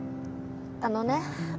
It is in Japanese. あのね。